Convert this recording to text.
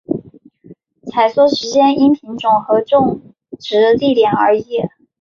采收时间因品种和种植地点而异。